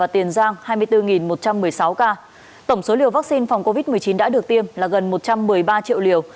tổng số liều vắc xin phòng covid một mươi chín đã được tiêm là gần một trăm một mươi ba triệu liều